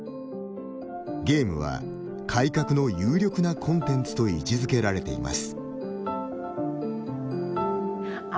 ゲームは、改革の有力なコンテンツと位置づけられています。